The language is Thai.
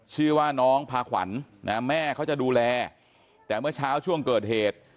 ชื่อว่าน้องพาขวัญนะแม่เขาจะดูแลแต่เมื่อเช้าช่วงเกิดเหตุ